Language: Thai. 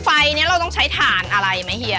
พีมฟัยนี้เราต้องใช้ฐานอะไรไหมให้เหี้ย